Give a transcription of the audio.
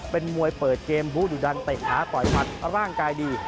เปิดเกมบูดูดันเตะขาปล่อยพัดร่างกายดี